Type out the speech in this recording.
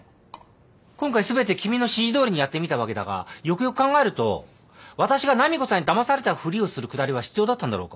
今回全て君の指示どおりにやってみたわけだがよくよく考えると私が波子さんにだまされたふりをするくだりは必要だったんだろうか？